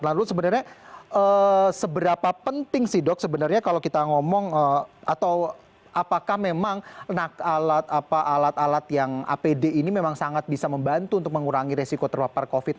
lalu sebenarnya seberapa penting sih dok sebenarnya kalau kita ngomong atau apakah memang alat alat yang apd ini memang sangat bisa membantu untuk mengurangi resiko terpapar covid sembilan